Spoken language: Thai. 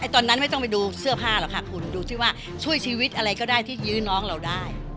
ตอนนั้นไม่ต้องไปดูเสื้อผ้าหรอกค่ะคุณดูที่ว่าช่วยชีวิตอะไรก็ได้ที่ยื้อน้องเราได้